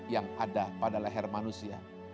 yang ada pada leher manusia